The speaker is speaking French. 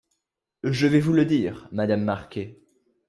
Je vais vous le dire Madame Marquet.